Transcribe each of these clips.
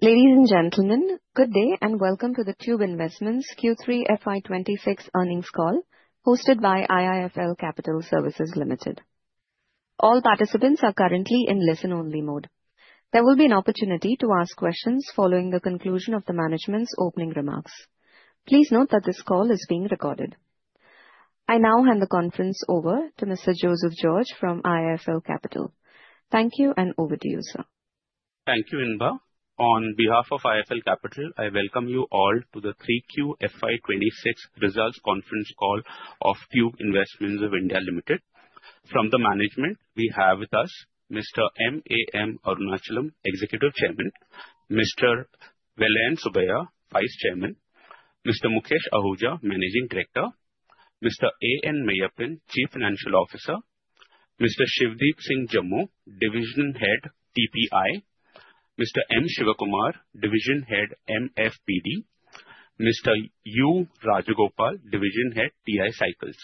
Ladies and gentlemen, good day, and welcome to the Tube Investments Q3 FY 2026 earnings call, hosted by IIFL Capital Services Limited. All participants are currently in listen-only mode. There will be an opportunity to ask questions following the conclusion of the management's opening remarks. Please note that this call is being recorded. I now hand the conference over to Mr. Joseph George from IIFL Capital. Thank you, and over to you, sir. Thank you, Inba. On behalf of IIFL Capital, I welcome you all to the Q3 FY 2026 results conference call of Tube Investments of India Limited. From the management, we have with us Mr. M.A.M. Arunachalam, Executive Chairman, Mr. Vellayan Subbiah, Vice Chairman, Mr. Mukesh Ahuja, Managing Director, Mr. A.N. Meyyappan, Chief Financial Officer, Mr. Shivdeep Singh Jamwal, Division Head, TPI, Mr. N. Sivakumar, Division Head, MFPD, Mr. U. Rajagopal, Division Head, TI Cycles.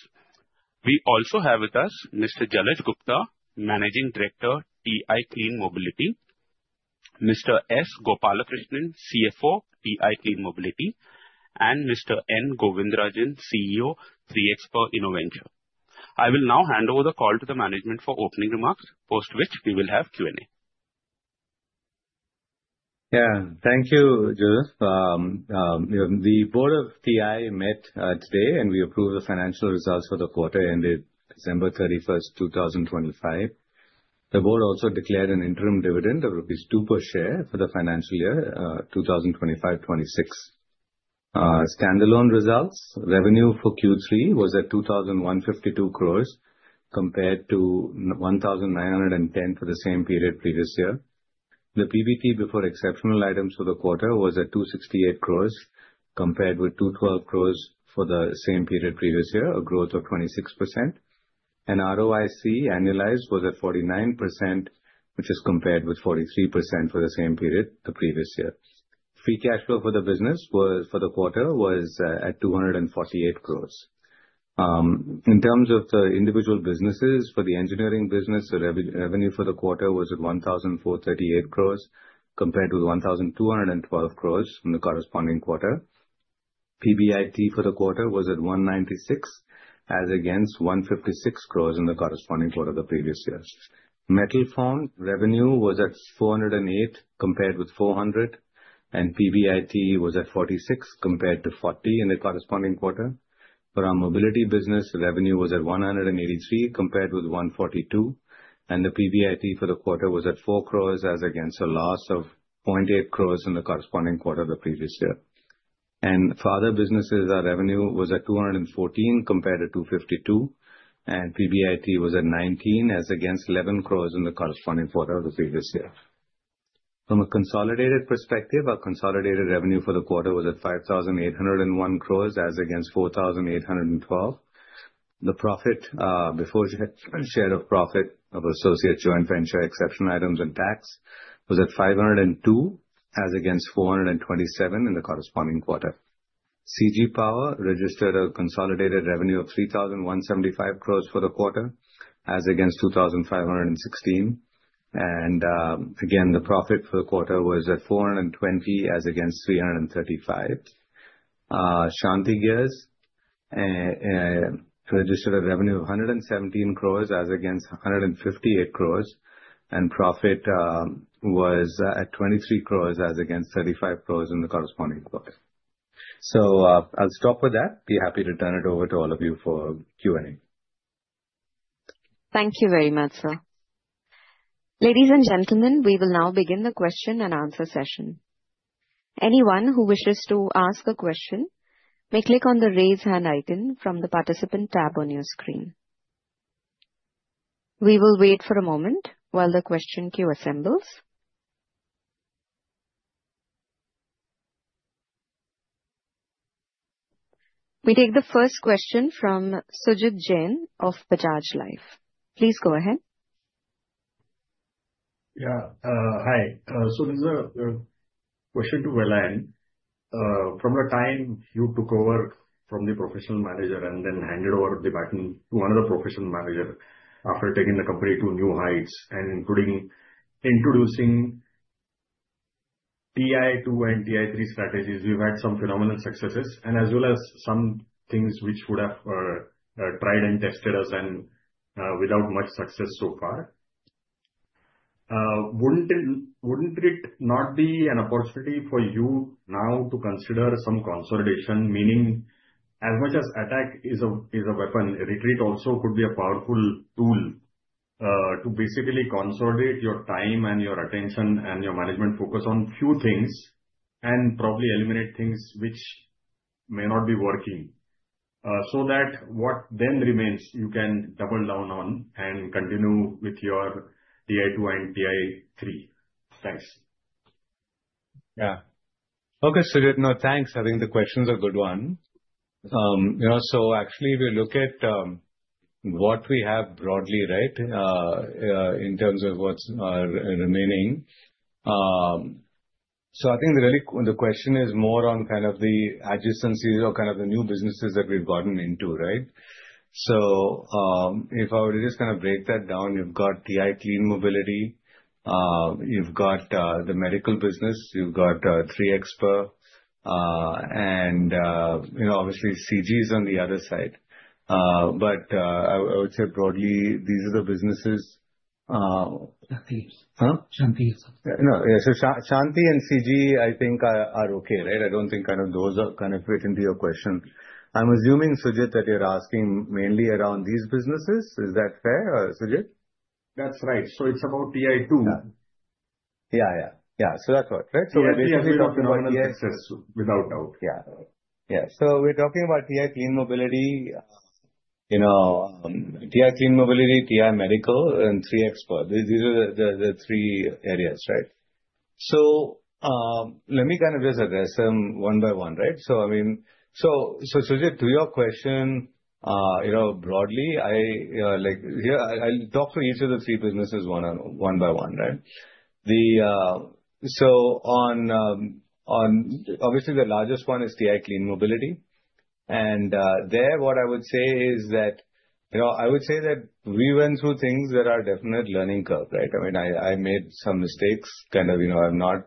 We also have with us Mr. Jalaj Gupta, Managing Director, TI Clean Mobility, Mr. S. Gopalakrishnan, CFO, TI Clean Mobility, and Mr. N. Govindarajan, CEO, 3xper Innoventure. I will now hand over the call to the management for opening remarks, post which we will have Q&A. Yeah. Thank you, Joseph. The board of TI met today, and we approved the financial results for the quarter ended December 31, 2025. The board also declared an interim dividend of rupees 2 per share for the financial year 2025-2026. Standalone results, revenue for Q3 was at 2,152 crore, compared to 1,910 crore for the same period previous year. The PBT before exceptional items for the quarter was at 268 crore, compared with 212 crore for the same period previous year, a growth of 26%. ROIC annualized was at 49%, which is compared with 43% for the same period the previous year. Free cash flow for the business for the quarter was at 248 crore. In terms of the individual businesses, for the engineering business, the revenue for the quarter was at 1,438 crore, compared to 1,212 crore in the corresponding quarter. PBIT for the quarter was at 196, as against 156 crore in the corresponding quarter the previous years. Metal Form, revenue was at 408, compared with 400, and PBIT was at 46, compared to 40 in the corresponding quarter. For our mobility business, revenue was at 183, compared with 142, and the PBIT for the quarter was at 4 crore, as against a loss of 0.8 crore in the corresponding quarter the previous year. For other businesses, our revenue was at 214 crore, compared to 252 crore, and PBIT was at 19 crore, as against 11 crore in the corresponding quarter the previous year. From a consolidated perspective, our consolidated revenue for the quarter was at 5,801 crore as against 4,812 crore. The profit before share of profit of associate joint venture, exceptional items and tax, was at 502 crore, as against 427 crore in the corresponding quarter. CG Power registered a consolidated revenue of 3,175 crore for the quarter, as against 2,516 crore. Again, the profit for the quarter was at 420 crore, as against 335 crore. Shanthi Gears registered a revenue of 117 crores as against 158 crores, and profit was at 23 crores as against 35 crores in the corresponding quarter. I'll stop with that. Be happy to turn it over to all of you for Q&A. Thank you very much, sir. Ladies and gentlemen, we will now begin the question-and-answer session. Anyone who wishes to ask a question may click on the Raise Hand icon from the Participant tab on your screen. We will wait for a moment while the question queue assembles. We take the first question from Sujit Jain of Bajaj Life. Please go ahead. Yeah. Hi. So this is a question to Vellayan. From the time you took over from the professional manager and then handed over the baton to another professional manager, after taking the company to new heights and including introducing TI-2 and TI-3 strategies, you've had some phenomenal successes and as well as some things which would have tried and tested us and without much success so far. Wouldn't it not be an opportunity for you now to consider some consolidation? Meaning, as much as attack is a weapon, a retreat also could be a powerful tool to basically consolidate your time and your attention and your management focus on few things, and probably eliminate things which may not be working. So that what then remains, you can double down on and continue with your TI-2 and TI-3. Thanks. Yeah. Okay, Sujit. No, thanks. I think the question's a good one. You know, so actually, if we look at what we have broadly, right, in terms of what's remaining. So I think the really, the question is more on kind of the adjacencies or kind of the new businesses that we've gotten into, right? So, if I were to just kind of break that down, you've got TI Clean Mobility, you've got the medical business, you've got 3xper, and you know, obviously, CG is on the other side. But I, I would say broadly, these are the businesses. Shanthi. Huh? Shanthi. No, yeah. So Shanthi and CG, I think are, are okay, right? I don't think kind of those are kind of fit into your question. I'm assuming, Sujit, that you're asking mainly around these businesses. Is that fair, Sujit? That's right. So it's about TI-2. Yeah. Yeah, yeah. So that's right. Without doubt. Yeah. Yeah. So we're talking about TI Clean Mobility, you know, TI Clean Mobility, TI Medical, and 3Xper. These are the three areas, right? So, let me kind of visit this, one by one, right? So I mean, Sujit, to your question, you know, broadly, I, like, here, I'll talk through each of the three businesses one by one, right? So obviously, the largest one is TI Clean Mobility, and, there, what I would say is that, you know, I would say that we went through things that are definite learning curve, right? I mean, I, I made some mistakes, kind of, you know, I've not,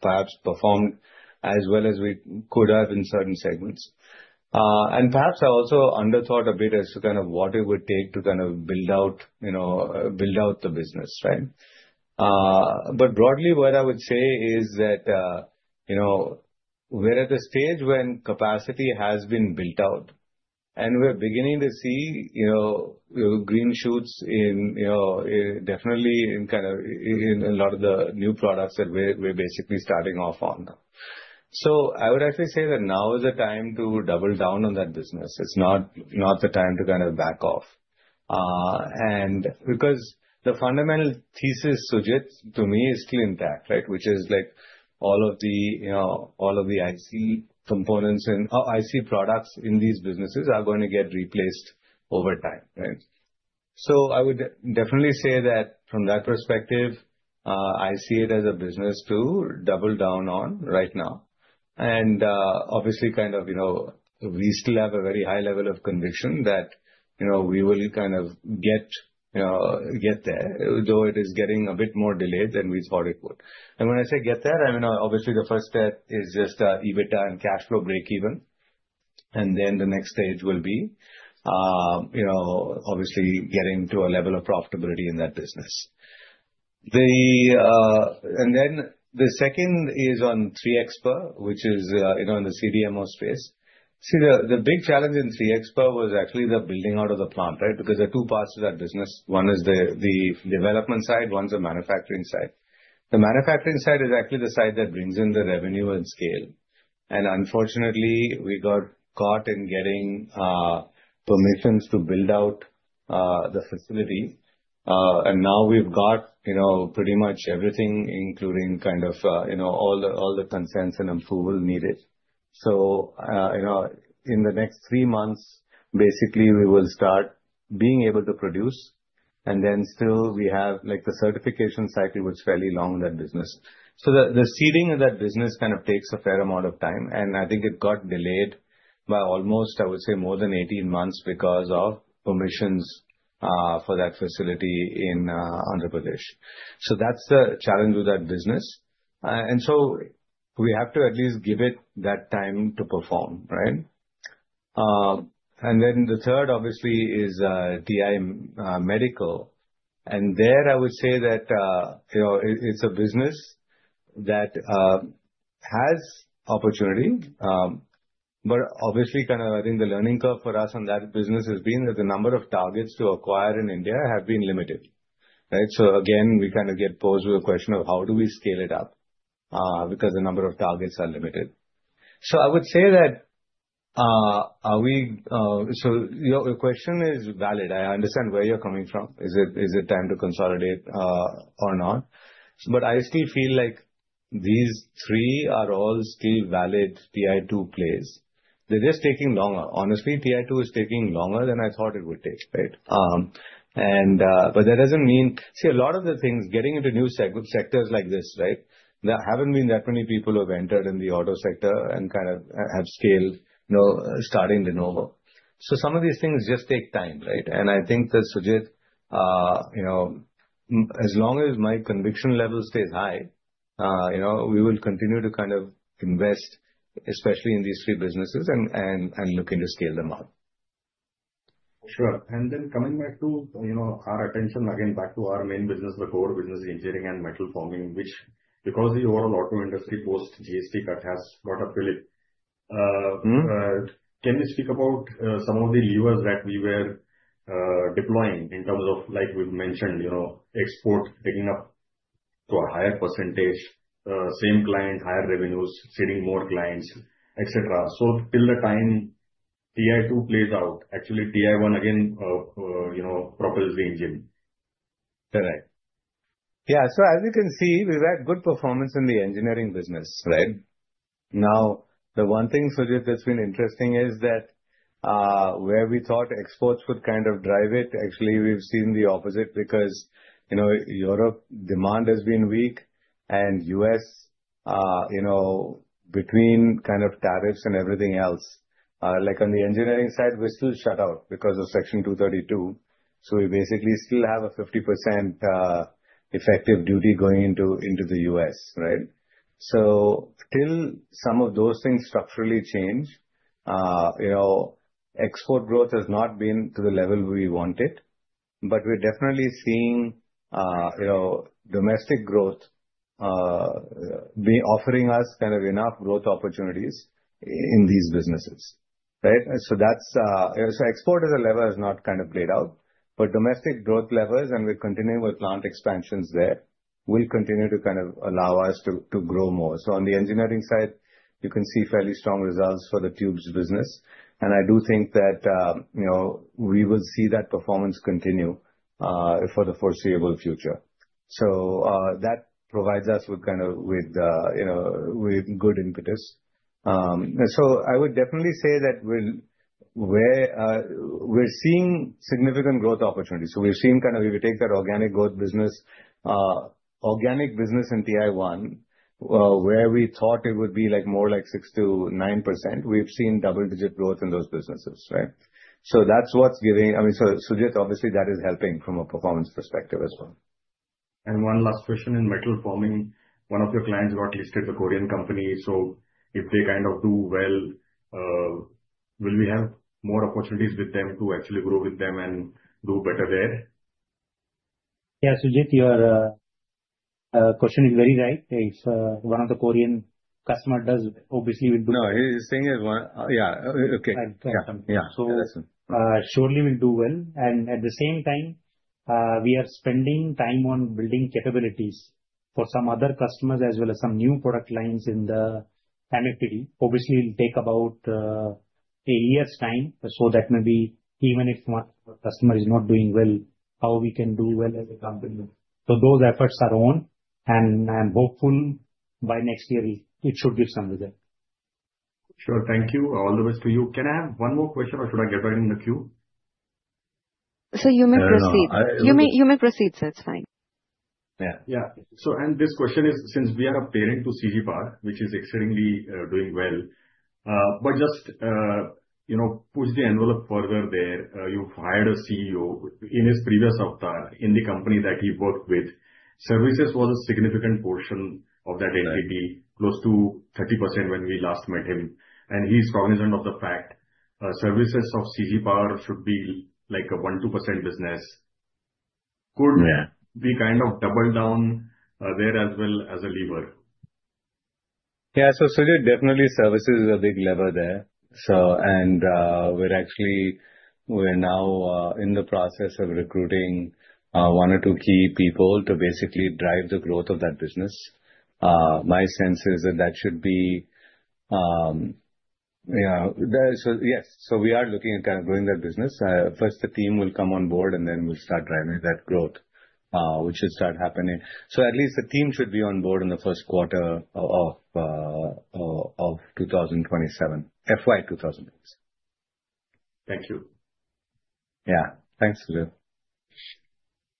perhaps performed as well as we could have in certain segments. And perhaps I also underthought a bit as to kind of what it would take to kind of build out, you know, build out the business, right? But broadly, what I would say is that, you know, we're at a stage when capacity has been built out, and we're beginning to see, you know, green shoots in, you know, definitely in kind of, in a lot of the new products that we're basically starting off on. So I would actually say that now is the time to double down on that business. It's not, not the time to kind of back off. And because the fundamental thesis, Sujit, to me, is still intact, right? Which is like all of the, you know, all of the IC components and, IC products in these businesses are going to get replaced over time, right? So I would definitely say that from that perspective, I see it as a business to double down on right now. And obviously, kind of, you know, we still have a very high level of conviction that, you know, we will kind of get there, although it is getting a bit more delayed than we thought it would. And when I say get there, I mean, obviously, the first step is just EBITDA and cash flow break even. And then the next stage will be, you know, obviously getting to a level of profitability in that business. And then, the second is on 3Xper, which is, you know, in the CDMO space. See, the big challenge in 3Xper was actually the building out of the plant, right? Because there are two parts to that business. One is the development side, one is the manufacturing side. The manufacturing side is actually the side that brings in the revenue and scale. Unfortunately, we got caught in getting permissions to build out the facilities. And now we've got, you know, pretty much everything, including kind of, you know, all the consents and approval needed. So, you know, in the next three months, basically, we will start being able to produce, and then still we have, like, the certification cycle, which is fairly long in that business. So the seeding of that business kind of takes a fair amount of time, and I think it got delayed by almost, I would say, more than 18 months because of permissions for that facility in Andhra Pradesh. So that's the challenge with that business. So we have to at least give it that time to perform, right? Then the third, obviously, is TI Medical, and there I would say that, you know, it, it's a business that has opportunity, but obviously kind of, I think the learning curve for us on that business has been that the number of targets to acquire in India have been limited, right? So again, we kind of get posed with a question of how do we scale it up, because the number of targets are limited. So I would say that your question is valid. I understand where you're coming from. Is it time to consolidate, or not? But I still feel like these three are all still valid TI-2 plays. They're just taking longer. Honestly, TI-2 is taking longer than I thought it would take, right? But that doesn't mean... See, a lot of the things, getting into new sectors like this, right? There haven't been that many people who have entered in the auto sector and kind of have scaled, you know, starting de novo. So some of these things just take time, right? And I think that, Sujit, you know, as long as my conviction level stays high, you know, we will continue to kind of invest, especially in these three businesses, and looking to scale them up. Sure. And then coming back to, you know, our attention again, back to our main business, the core business, engineering and metal forming, which because the overall auto industry, post GST cut, has got a fillip. Mm-hmm. Can you speak about some of the levers that we were deploying in terms of like we mentioned, you know, export picking up to a higher percentage, same client, higher revenues, getting more clients, et cetera? So till the time TI-2 plays out, actually TI-1 again, you know, propels the engine. Correct. Yeah, so as you can see, we've had good performance in the engineering business, right? Now, the one thing, Sujit, that's been interesting is that, where we thought exports would kind of drive it, actually, we've seen the opposite. Because, you know, Europe demand has been weak, and U.S., you know, between kind of tariffs and everything else, like on the engineering side, we're still shut out because of Section 232, so we basically still have a 50% effective duty going into, into the U.S., right? So till some of those things structurally change, you know, export growth has not been to the level we want it, but we're definitely seeing, you know, domestic growth be offering us kind of enough growth opportunities in these businesses, right? So that's... So export as a level has not kind of played out, but domestic growth levels, and we're continuing with plant expansions there, will continue to kind of allow us to grow more. So on the engineering side, you can see fairly strong results for the tubes business, and I do think that, you know, we will see that performance continue for the foreseeable future. So, that provides us with kind of, with, you know, with good impetus. So I would definitely say that we're seeing significant growth opportunities. So we've seen kind of, if you take that organic growth business, organic business in TI-1, where we thought it would be like more like 6%-9%, we've seen double-digit growth in those businesses, right? So that's what's giving... I mean, so, Sujit, obviously, that is helping from a performance perspective as well. One last question: in metal forming, one of your clients got listed, a Korean company, so if they kind of do well, will we have more opportunities with them to actually grow with them and do better there? Yeah, Sujit, your question is very right. If one of the Korean customer does, obviously will do- No, he's saying it well. Yeah, okay. I got you. Yeah. So, surely we'll do well, and at the same time, we are spending time on building capabilities for some other customers as well as some new product lines in the connectivity. Obviously, it'll take about a year's time, so that maybe even if one customer is not doing well, how we can do well as a company. So those efforts are on, and I'm hopeful by next year, we, it should give some result. Sure. Thank you. All the best to you. Can I have one more question, or should I get back in the queue? Sir, you may proceed. No, I- You may, you may proceed, sir. It's fine. Yeah. Yeah. So, and this question is, since we are a parent to CG Power, which is extremely doing well, but just, you know, push the envelope further there. You've hired a CEO. In his previous avatar, in the company that he worked with, services was a significant portion of that entity. Right. close to 30% when we last met him, and he's cognizant of the fact, services of CG Power should be like a 1%-2% business. Yeah. Could we kind of double down there as well as a lever? Yeah. So, Sujit, definitely services is a big lever there. So, and, we're actually, we're now, in the process of recruiting, one or two key people to basically drive the growth of that business. My sense is that, that should be, yeah, there, so yes, so we are looking at kind of growing that business. First the team will come on board, and then we'll start driving that growth, which should start happening. So at least the team should be on board in the first quarter of 2027, FY 2027. Thank you. Yeah. Thanks, Sujit.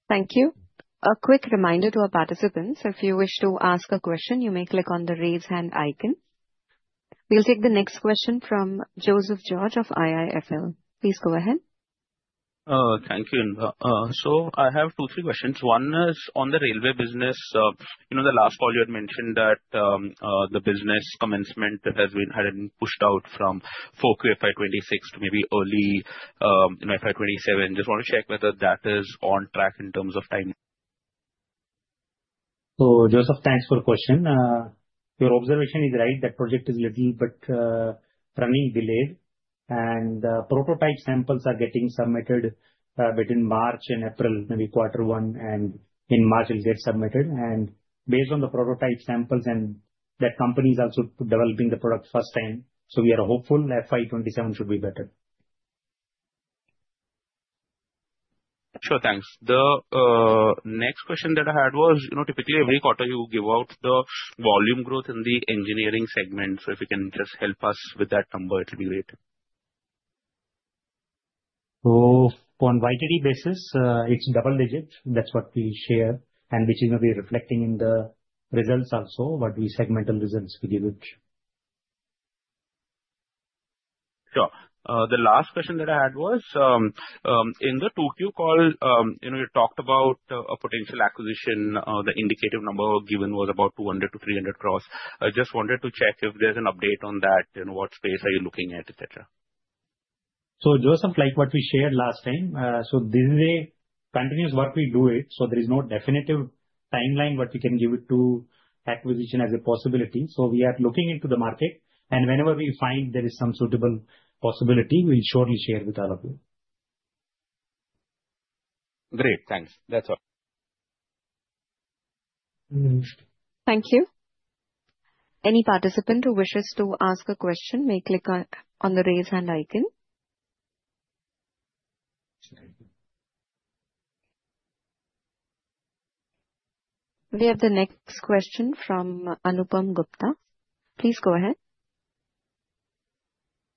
Thank you. A quick reminder to our participants: if you wish to ask a question, you may click on the raise hand icon. We'll take the next question from Joseph George of IIFL. Please go ahead. Thank you, Inba. So I have two, three questions. One is on the railway business. You know, the last call, you had mentioned that the business commencement has been, had been pushed out from fourth quarter FY 2026 to maybe early, you know, FY 2027. Just want to check whether that is on track in terms of timing? So, Joseph, thanks for the question. Your observation is right. That project is little bit running delayed, and prototype samples are getting submitted between March and April, maybe quarter one, and in March it will get submitted. And based on the prototype samples, and that company is also developing the product first time, so we are hopeful that FY 2027 should be better. Sure, thanks. The next question that I had was, you know, typically every quarter you give out the volume growth in the engineering segment, so if you can just help us with that number, it will be great. So on YTD basis, it's double digits. That's what we share and which is going to be reflecting in the results also, but the segmental results we give it. Sure. The last question that I had was, in the Q2 call, you know, you talked about a potential acquisition, the indicative number given was about 200-300 crore. I just wanted to check if there's an update on that and what space are you looking at, et cetera. So Joseph, like what we shared last time, so this is a continuous work we do it, so there is no definitive timeline, what we can give it to acquisition as a possibility. So we are looking into the market, and whenever we find there is some suitable possibility, we'll surely share with all of you. Great, thanks. That's all. Thank you. Any participant who wishes to ask a question may click on the raise hand icon. We have the next question from Anupam Gupta. Please go ahead.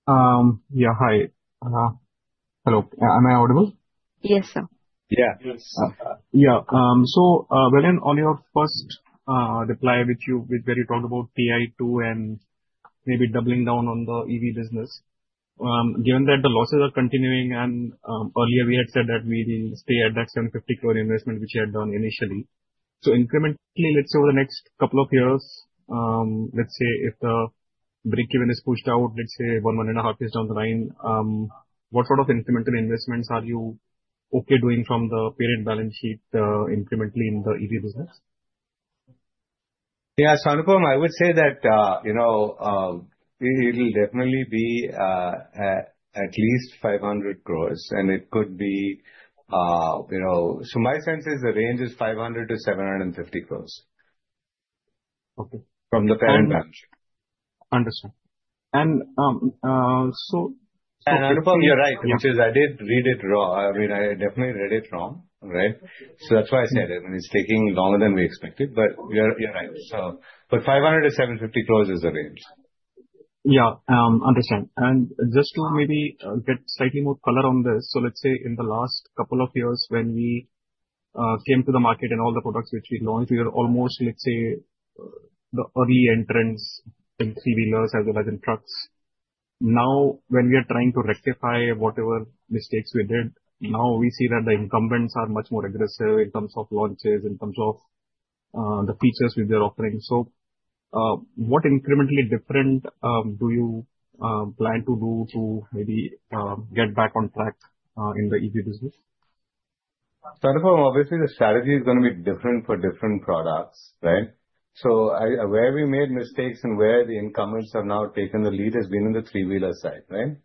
Yeah, hi. Hello, am I audible? Yes, sir. Yeah. Yes. Yeah, well, on your first reply, where you talked about TI2 and maybe doubling down on the EV business, given that the losses are continuing and earlier we had said that we will stay at that 750 crore investment, which you had done initially. So incrementally, let's say over the next couple of years, let's say if the break-even is pushed out, let's say 1-1.5 years down the line, what sort of incremental investments are you okay doing from the parent balance sheet, incrementally in the EV business? Yeah, so Anupam, I would say that, you know, it'll definitely be at least 500 crore, and it could be, you know... So my sense is the range is 500 crore-750 crore. Okay. From the parent balance sheet. Understood. Anupam, you're right, which is I did read it wrong. I mean, I definitely read it wrong, right? So that's why I said it. I mean, it's taking longer than we expected, but you're right. So, but 500 crore-750 crore is the range. Yeah. Understand. And just to maybe get slightly more color on this, so let's say in the last couple of years, when we came to the market and all the products which we launched, we were almost, let's say, the early entrants in three-wheelers as well as in trucks. Now, when we are trying to rectify whatever mistakes we did, now we see that the incumbents are much more aggressive in terms of launches, in terms of the features which they're offering. So, what incrementally different do you plan to do to maybe get back on track in the EV business? So, Anupam, obviously, the strategy is gonna be different for different products, right? So, where we made mistakes and where the incumbents have now taken the lead has been in the three-wheeler side, right?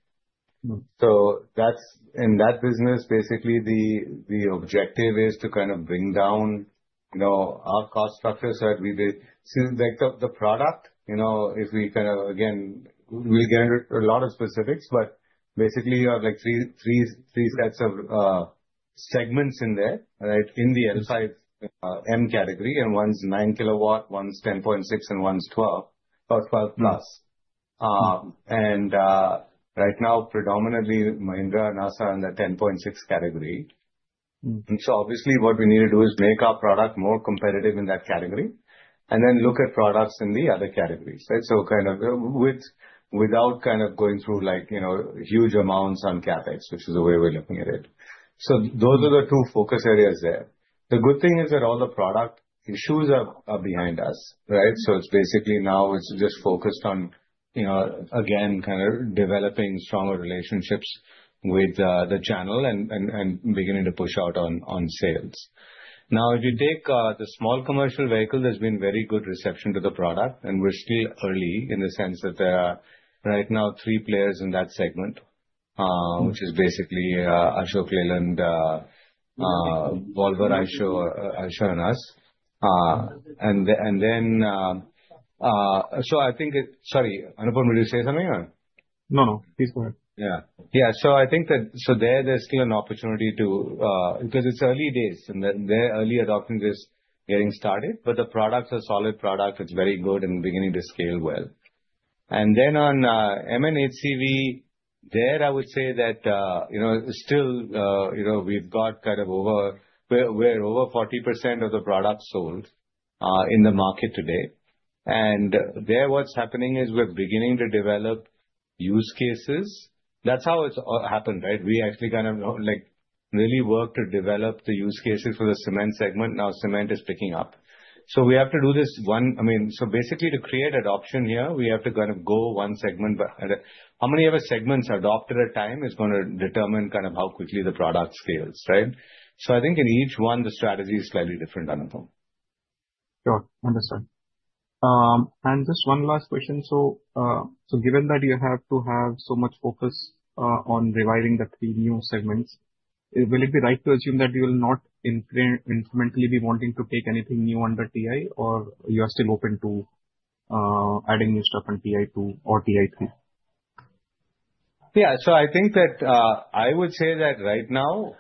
Mm. So that's, in that business, basically, the objective is to kind of bring down, you know, our cost structure, so that we will soon back up the product. You know, if we kind of, again, we'll get into a lot of specifics, but basically, you have, like, three sets of segments in there, right? In the L5M category, and one's 9 kWh, one's 10.6, and one's 12 or 12 plus. And right now, predominantly, Mahindra and Piaggio are in the 10.6 category. Mm. So obviously, what we need to do is make our product more competitive in that category and then look at products in the other categories, right? So kind of, without kind of going through like, you know, huge amounts on CapEx, which is the way we're looking at it. So those are the two focus areas there. The good thing is that all the product issues are behind us, right? So it's basically now it's just focused on, you know, again, kind of developing stronger relationships with the channel and beginning to push out on sales. Now, if you take the small commercial vehicle, there's been very good reception to the product, and we're still early in the sense that there are right now three players in that segment. Mm. -which is basically Ashok Leyland, Volvo, and us. And then, and then, so I think it... Sorry, Anupam, did you say something or? No, no. Please go ahead. Yeah. Yeah, so I think that, so there there's still an opportunity to, because it's early days, and the early adoption is getting started, but the products are solid product. It's very good and beginning to scale well. And then on M&HCV, there, I would say that, you know, still, you know, we've got kind of over... We're over 40% of the products sold in the market today. And there, what's happening is we're beginning to develop use cases. That's how it's happened, right? We actually kind of, like, really worked to develop the use cases for the cement segment. Now, cement is picking up. So we have to do this one... I mean, so basically, to create adoption here, we have to kind of go one segment by, how many of our segments adopt at a time is gonna determine kind of how quickly the product scales, right? So I think in each one, the strategy is slightly different, Anupam. Sure. Understood. And just one last question: so, so given that you have to have so much focus on reviving the three new segments, will it be right to assume that you will not incrementally be wanting to take anything new under TI, or you are still open to adding new stuff on TI2 or TI3? Yeah. So I think that, I would say that right now,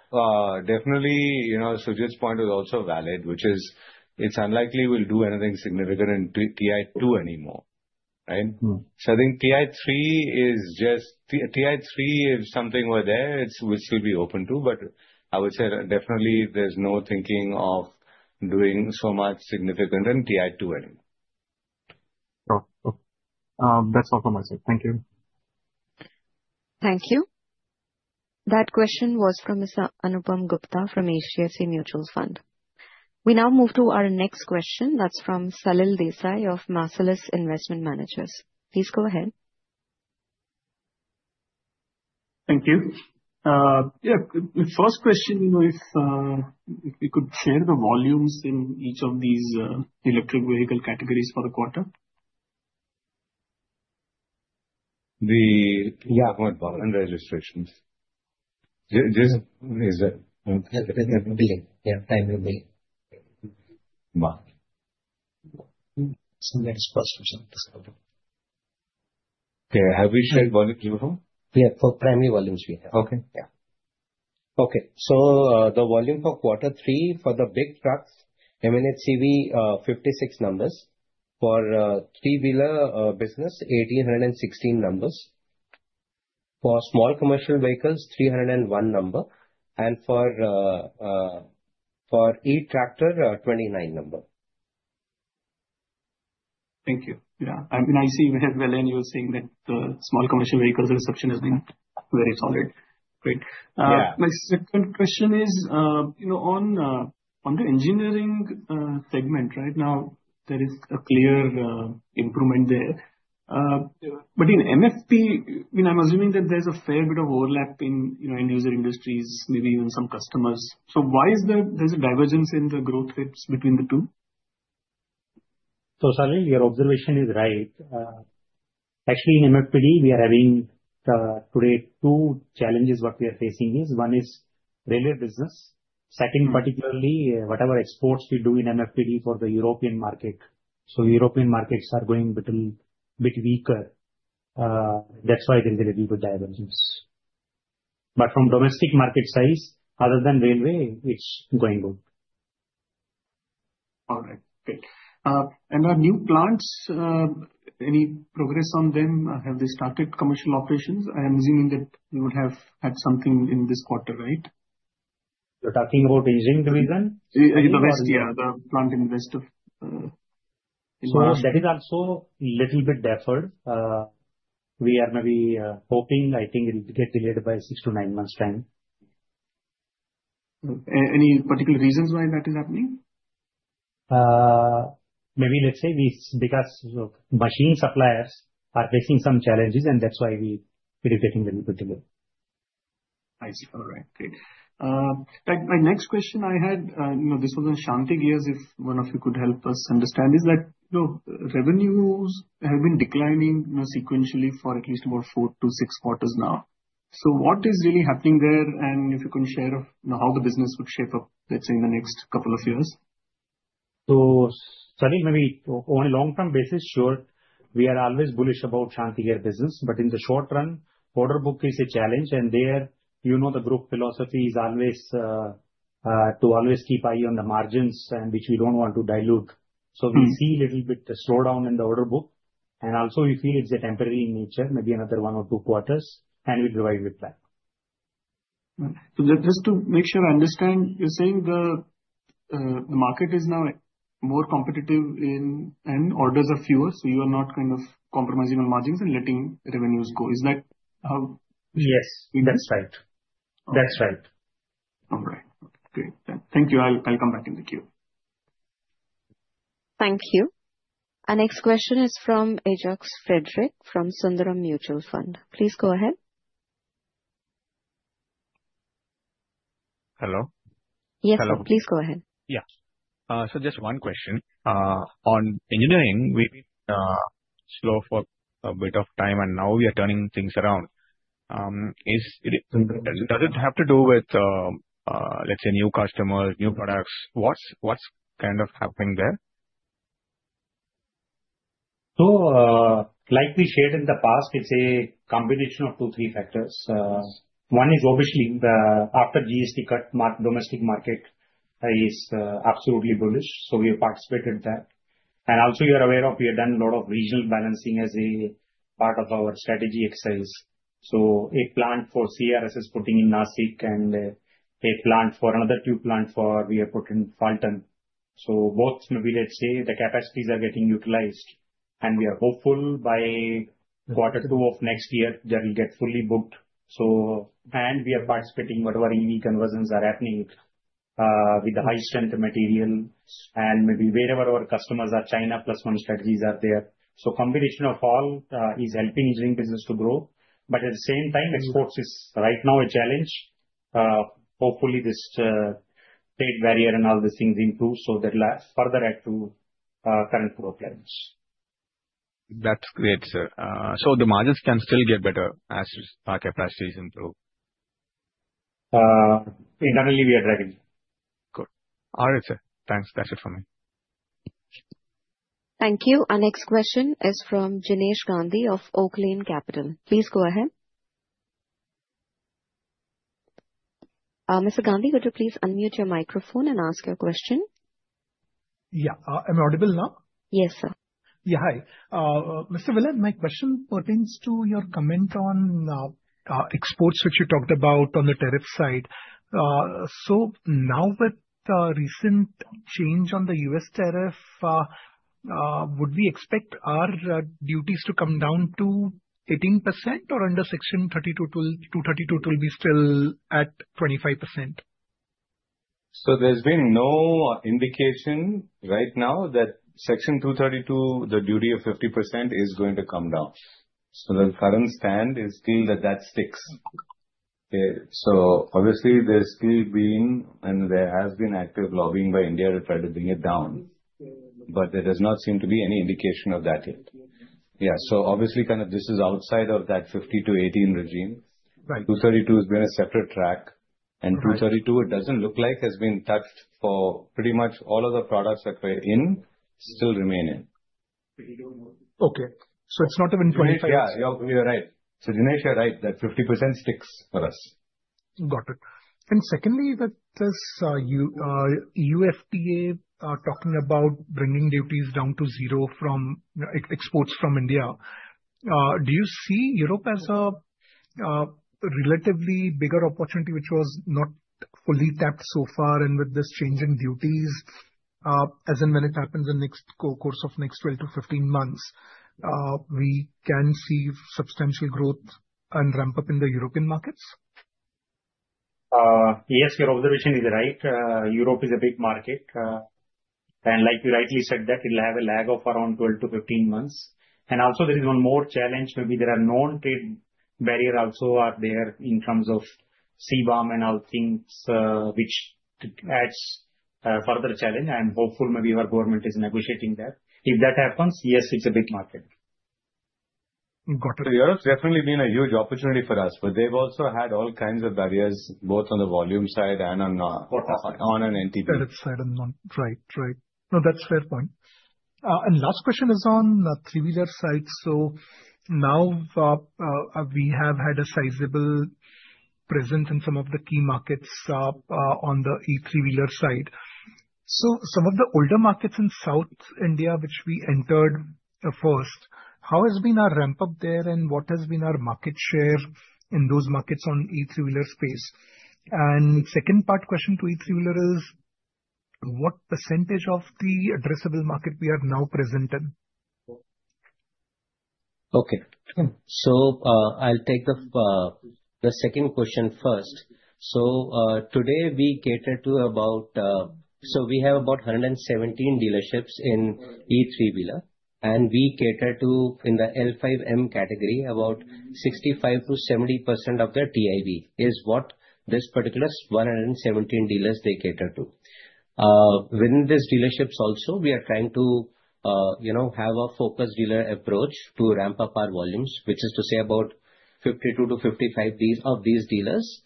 definitely, you know, Sujit's point is also valid, which is it's unlikely we'll do anything significant in TI2 anymore, right? Mm. So I think TI-3 is just TI-3, if something were there, it's, we're still be open to, but I would say definitely there's no thinking of doing so much significant in TI-2 anymore. Okay. That's all from my side. Thank you. Thank you. That question was from Mr. Anupam Gupta from HDFC Mutual Fund. We now move to our next question. That's from Salil Desai of Marcellus Investment Managers. Please go ahead. Thank you. Yeah, first question, you know, if you could share the volumes in each of these electric vehicle categories for the quarter? The- Yeah, and registrations. There is a, Yeah, time will be. Wow! Next question.... Okay, have we shared volume Q1? Yeah, for primary volumes we have. Okay. Yeah. Okay, so, the volume for quarter three for the big trucks, M&HCV, 56 numbers. For three-wheeler business, 1,816 numbers. For small commercial vehicles, 301 number, and for E-tractor, 29 number. Thank you. Yeah, and I see, we had, well, and you were saying that the small commercial vehicles reception has been very solid. Great. Yeah. My second question is, you know, on the engineering segment, right now, there is a clear improvement there. Yeah. but in MFP, I mean, I'm assuming that there's a fair bit of overlap in, you know, end user industries, maybe even some customers. So why is there a divergence in the growth rates between the two? So, Sunil, your observation is right. Actually, in MFPD, we are having, today, two challenges. What we are facing is, one is railway business. Second, particularly, whatever exports we do in MFPD for the European market. So European markets are going little bit weaker. That's why there is a little bit divergence. But from domestic market size, other than railway, it's going well. All right. Great. Our new plants, any progress on them? Have they started commercial operations? I'm assuming that you would have had something in this quarter, right? You're talking about engineering division? Yeah, the plant in the west of, So that is also little bit deferred. We are maybe, hoping, I think it'll get delayed by 6-9 months' time. Any particular reasons why that is happening? Maybe let's say it's because machine suppliers are facing some challenges, and that's why we are getting little bit delayed. I see. All right. Great. My, my next question I had, you know, this was on Shanthi Gears, if one of you could help us understand, is that, you know, revenues have been declining, you know, sequentially for at least about 4-6 quarters now. So what is really happening there? And if you can share, you know, how the business would shape up, let's say, in the next couple of years. So, Sunil, maybe on a long-term basis, sure, we are always bullish about Shanthi Gears business, but in the short run, order book is a challenge, and there, you know, the group philosophy is always to always keep eye on the margins, and which we don't want to dilute. Mm-hmm. We see little bit a slowdown in the order book, and also we feel it's temporary in nature, maybe another 1 or 2 quarters, and we'll revive with that. Just to make sure I understand, you're saying the market is now more competitive, and orders are fewer, so you are not kind of compromising on margins and letting revenues go. Is that how- Yes, that's right. Okay. That's right. All right. Okay, great. Thank you. I'll come back in the queue. Thank you. Our next question is from Ajox Frederick, from Sundaram Mutual Fund. Please go ahead. Hello? Yes, sir. Hello. Please go ahead. Yeah. So just one question. On engineering, we slowed for a bit of time, and now we are turning things around. Is it, does it have to do with, let's say, new customers, new products? What's kind of happening there? So, like we shared in the past, it's a combination of two, three factors. One is obviously the, after GST cut, domestic market, is, absolutely bullish, so we have participated that. And also, you are aware of, we have done a lot of regional balancing as a part of our strategy exercise. So a plant for CRS is putting in Nashik, and, a plant for another two plant for we have put in Phaltan. So both, maybe let's say, the capacities are getting utilized, and we are hopeful by quarter two of next year, they will get fully booked. So... And we are participating whatever unique conversions are happening, with the high strength material, and maybe wherever our customers are, China plus one strategies are there. So combination of all, is helping engineering business to grow. But at the same time, exports is right now a challenge. Hopefully this trade barrier and all these things improve, so that last further add to current growth plans. That's great, sir. So the margins can still get better as our capacities improve? Internally, we are driving. Good. All right, sir. Thanks. That's it for me. Thank you. Our next question is from Jinesh Gandhi of Oaklane Capital. Please go ahead. Mr. Gandhi, could you please unmute your microphone and ask your question? Yeah. Am I audible now? Yes, sir. Yeah, hi. Mr. Vellayan, my question pertains to your comment on exports, which you talked about on the tariff side. So now with the recent change on the U.S. tariff, would we expect our duties to come down to 18% or under Section 232 to be still at 25%? So there's been no indication right now that Section 232, the duty of 50%, is going to come down. So the current stand is still that, that sticks. So obviously there's still been, and there has been active lobbying by India to try to bring it down, but there does not seem to be any indication of that yet. Yeah, so obviously, kind of this is outside of that 50 to 18 regime. Right. 232 has been a separate track.... 232, it doesn't look like has been touched for pretty much all of the products that were in, still remain in. Okay, so it's not even 25- Yeah, you're, you're right. So, Dinesh, you're right, that 50% sticks for us. Got it. Secondly, with this FTA, talking about bringing duties down to zero from exports from India, do you see Europe as a relatively bigger opportunity, which was not fully tapped so far, and with this change in duties, as in when it happens in the course of the next 12-15 months, we can see substantial growth and ramp-up in the European markets? Yes, your observation is right. Europe is a big market, and like you rightly said, that it'll have a lag of around 12-15 months. And also there is one more challenge, maybe there are known trade barrier also are there in terms of CBAM and other things, which adds further challenge, and hopefully maybe our government is negotiating that. If that happens, yes, it's a big market. Got it. Europe's definitely been a huge opportunity for us, but they've also had all kinds of barriers, both on the volume side and on, on an NTB. Right, right. No, that's fair point. And last question is on the three-wheeler side. So now, we have had a sizable presence in some of the key markets, on the e-three-wheeler side. So some of the older markets in South India, which we entered the first, how has been our ramp-up there, and what has been our market share in those markets on e-three-wheeler space? And second part question to e-three-wheeler is, what percentage of the addressable market we are now present in? Okay. So, I'll take the second question first. So, today, we cater to about. So we have about 117 dealerships in e-three-wheeler, and we cater to, in the L5M category, about 65%-70% of their TIV, is what this particular 117 dealers they cater to. Within these dealerships also, we are trying to, you know, have a focused dealer approach to ramp up our volumes, which is to say about 52-55 percent of these dealers,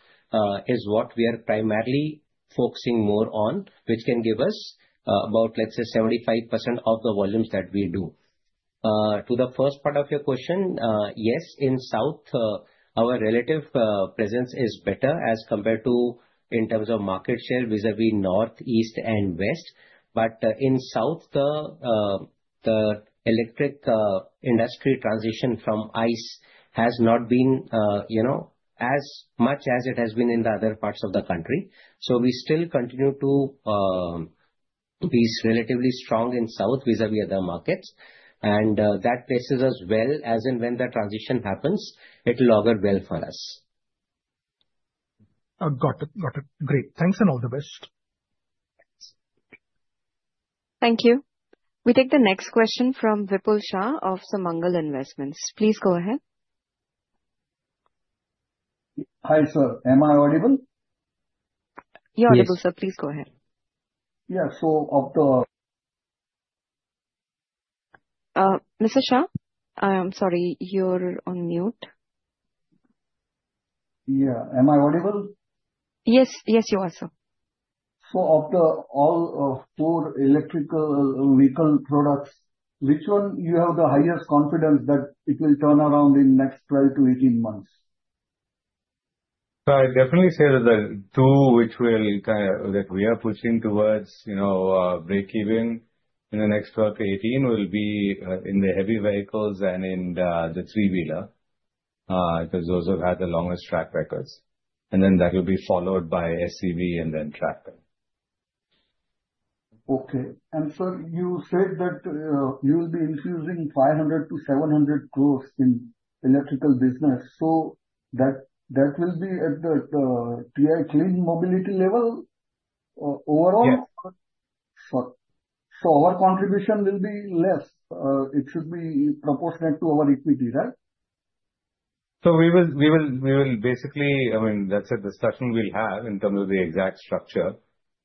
is what we are primarily focusing more on, which can give us, about, let's say, 75% of the volumes that we do. To the first part of your question, yes, in South, our relative presence is better as compared to in terms of market share, vis-a-vis North, East and West. But, in South, the electric industry transition from ICE has not been, you know, as much as it has been in the other parts of the country. So we still continue to be relatively strong in South, vis-a-vis other markets. And, that places us well, as and when the transition happens, it will augur well for us. I've got it, got it. Great! Thanks, and all the best. Thank you. We take the next question from Vipul Shah of Sumangal Investments. Please go ahead. Hi, sir. Am I audible? You're audible, sir. Yes. Please go ahead. Yeah. So of the- Mr. Shah, I am sorry, you're on mute. Yeah. Am I audible? Yes. Yes, you are, sir. So, of all the four electric vehicle products, which one you have the highest confidence that it will turn around in next 12-18 months? So I'd definitely say that the two which will, that we are pushing towards, you know, breakeven in the next 12-18, will be, in the heavy vehicles and in the, the three-wheeler, because those have had the longest track records. And then, that will be followed by SCV and then tractor. Okay. And sir, you said that you will be infusing 500 crore-700 crore in electrical business, so that will be at the TI Clean Mobility level overall? Yes. So, our contribution will be less, it should be proportionate to our equity, right? So we will basically... I mean, that's a discussion we'll have in terms of the exact structure,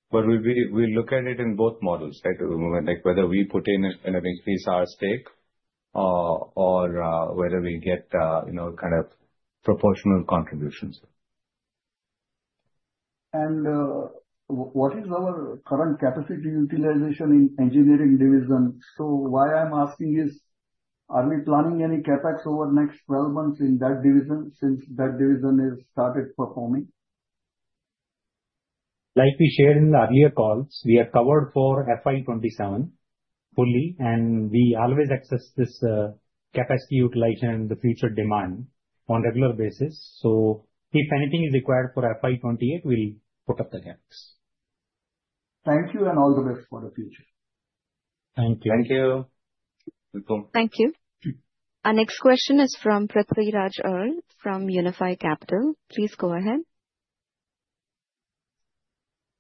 but we look at it in both models, right? Like whether we put in and increase our stake, or whether we get, you know, kind of proportional contributions. What is our current capacity utilization in engineering division? So why I'm asking is, are we planning any CapEx over the next 12 months in that division, since that division is started performing? Like we shared in the earlier calls, we are covered for FY 2027 fully, and we always assess this, capacity utilization and the future demand on regular basis. So if anything is required for FY 2028, we'll put up the CapEx. Thank you, and all the best for the future. Thank you. Thank you. Welcome. Thank you. Our next question is from Prithvi Raj from Unifi Capital. Please go ahead.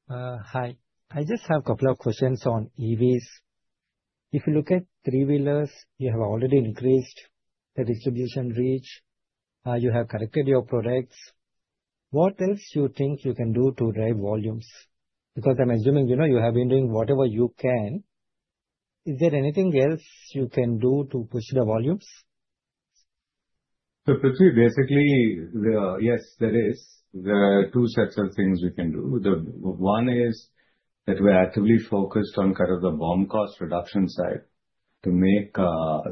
Hi. I just have a couple of questions on EVs. If you look at three-wheelers, you have already increased the distribution reach, you have corrected your products. What else you think you can do to drive volumes? Because I'm assuming, you know, you have been doing whatever you can. Is there anything else you can do to push the volumes?... So, Prithvi, basically, yes, there is. There are two sets of things we can do. The one is that we are actively focused on kind of the BOM cost reduction side to make...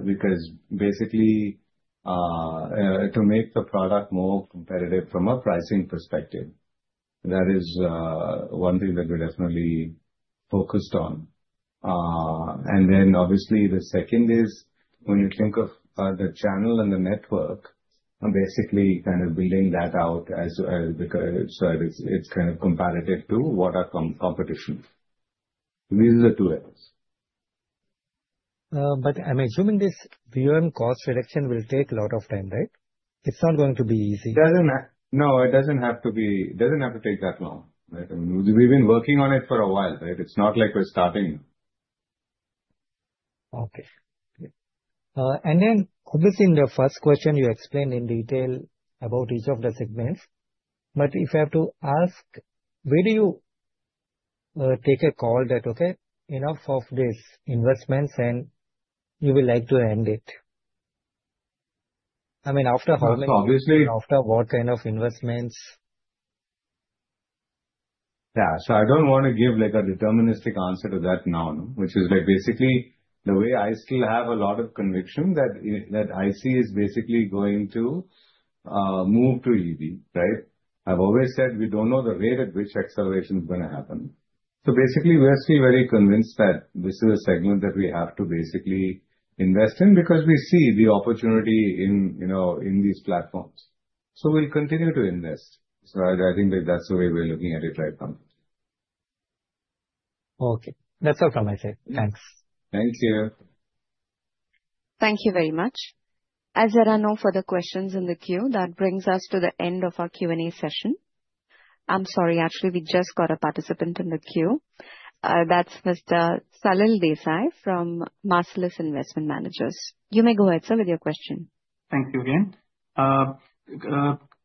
Because basically, to make the product more competitive from a pricing perspective, that is one thing that we're definitely focused on. And then obviously, the second is when you think of the channel and the network, and basically kind of building that out as, because so it's, it's kind of comparative to what are competitors. These are the two areas. But I'm assuming this BOM cost reduction will take a lot of time, right? It's not going to be easy. No, it doesn't have to be, doesn't have to take that long, right? I mean, we've been working on it for a while, right? It's not like we're starting now. Okay. And then obviously, in the first question, you explained in detail about each of the segments, but if I have to ask, where do you take a call that, okay, enough of these investments, and you would like to end it? I mean, after how long- Obviously- After what kind of investments? Yeah, so I don't want to give, like, a deterministic answer to that now, which is like, basically, the way I still have a lot of conviction that that ICE is basically going to move to EV, right? I've always said we don't know the rate at which acceleration is gonna happen. So basically, we are still very convinced that this is a segment that we have to basically invest in, because we see the opportunity in, you know, in these platforms. So we'll continue to invest. So I think that that's the way we're looking at it right now. Okay. That's all from my side. Thanks. Thank you. Thank you very much. As there are no further questions in the queue, that brings us to the end of our Q&A session. I'm sorry, actually, we just got a participant in the queue. That's Mr. Salil Desai from Marcellus Investment Managers. You may go ahead, sir, with your question. Thank you again.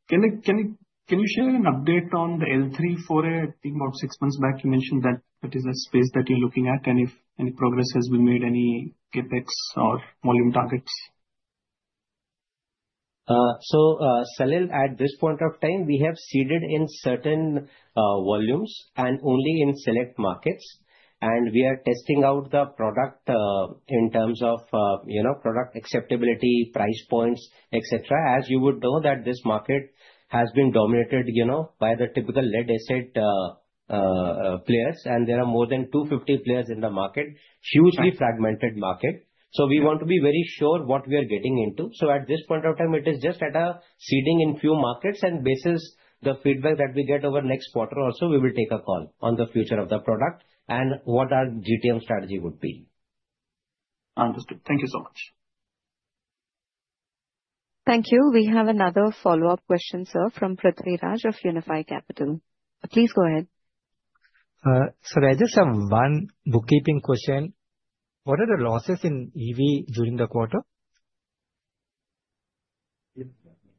Can you share an update on the L3, for I think about six months back, you mentioned that that is a space that you're looking at, and if any progress has been made, any CapEx or volume targets? So, Salil, at this point of time, we have seeded in certain volumes and only in select markets, and we are testing out the product in terms of, you know, product acceptability, price points, et cetera. As you would know, that this market has been dominated, you know, by the typical lead acid players, and there are more than 250 players in the market. Hugely fragmented market. So we want to be very sure what we are getting into. So at this point of time, it is just at a seeding in few markets, and based on the feedback that we get over next quarter or so, we will take a call on the future of the product and what our GTM strategy would be. Understood. Thank you so much. Thank you. We have another follow-up question, sir, from Prithvi Raj of Unifi Capital. Please go ahead. So I just have one bookkeeping question. What are the losses in EV during the quarter? Yeah, certainly.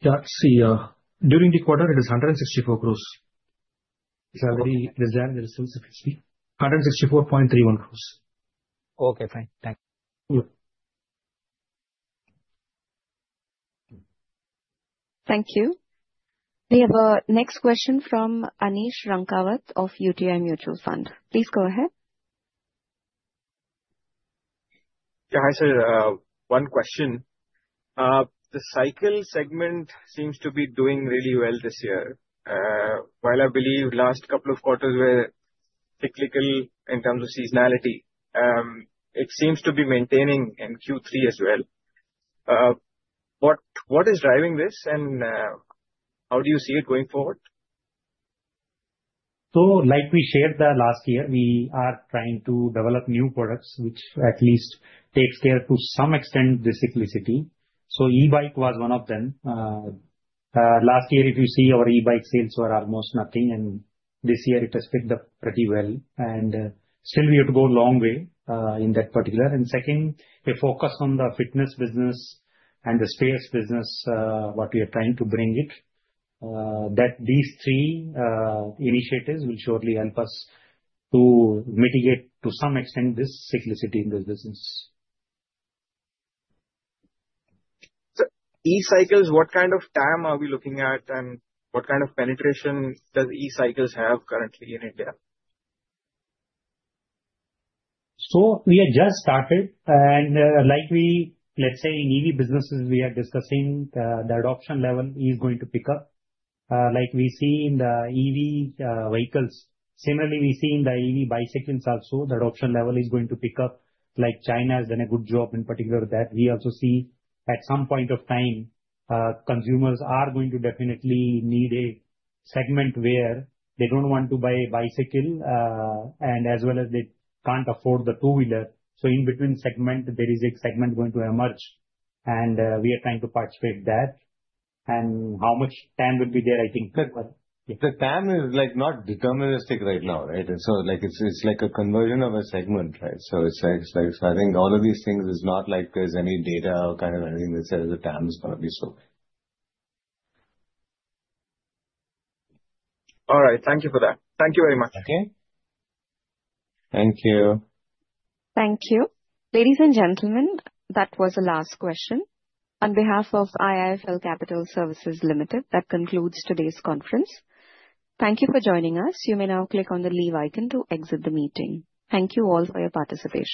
Yeah, see, during the quarter, it is 164 crore. Sir, there's that, there is some specificity. 164.31 crore. Okay, fine. Thanks. Yeah. Thank you. We have our next question from Anish Rankawat of UTI Mutual Fund. Please go ahead. Yeah, hi, sir, one question. The cycle segment seems to be doing really well this year. While I believe last couple of quarters were cyclical in terms of seasonality, it seems to be maintaining in Q3 as well. What, what is driving this? And, how do you see it going forward? So, like we shared the last year, we are trying to develop new products, which at least takes care to some extent, the cyclicity. So E-bike was one of them. Last year, if you see, our E-bike sales were almost nothing, and this year it has picked up pretty well, and still we have to go a long way in that particular. And second, we focus on the fitness business and the spares business, what we are trying to bring it, that these three initiatives will surely help us to mitigate, to some extent, this cyclicity in the business. E-cycles, what kind of TAM are we looking at, and what kind of penetration does e-cycles have currently in India? So we have just started, and, like, let's say in EV businesses, we are discussing the adoption level is going to pick up, like we see in the EV vehicles. Similarly, we see in the EV bicycles also, the adoption level is going to pick up, like China has done a good job in particular with that. We also see at some point of time, consumers are going to definitely need a segment where they don't want to buy a bicycle, and as well as they can't afford the two-wheeler. So in between segment, there is a segment going to emerge, and, we are trying to participate that. And how much TAM would be there, I think- The TAM is, like, not deterministic right now, right? And so, like, it's like a conversion of a segment, right? So it's like, I think all of these things is not like there's any data or kind of anything that says the TAM is gonna be so. All right. Thank you for that. Thank you very much. Okay. Thank you. Thank you. Ladies and gentlemen, that was the last question. On behalf of IIFL Capital Services Limited, that concludes today's conference. Thank you for joining us. You may now click on the leave icon to exit the meeting. Thank you all for your participation.